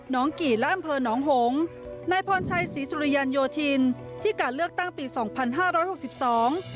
กี่และอำเภอหนองหงนายพรชัยศรีสุริยันโยธินที่การเลือกตั้งปีสองพันห้าร้อยหกสิบสอง